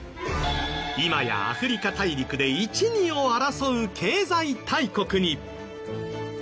今やアフリカ大陸で一二を争う経済大国に。